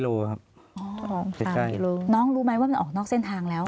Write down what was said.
อ๋อ๓กิโลกรัมใกล้ใกล้น้องรู้ไหมว่ามันออกนอกเส้นทางแล้ว